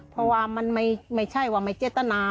แต่ว่าไม่ใช่ว่ามันจะติดตนา